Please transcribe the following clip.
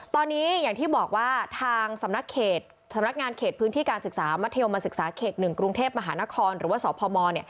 ตอนนี้อย่างที่บอกว่าทางสำนักเขตพื้นที่การศึกษามัธยมศึกษาเขต๑กรุงเทพมหานครหรือว่าสพม